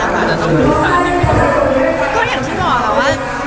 ขอแค่บางอย่างตัวตัวตัวสุด